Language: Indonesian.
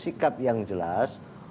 sikap yang jelas